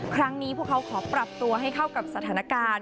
ครั้งนี้พวกเขาขอปรับตัวให้เข้ากับสถานการณ์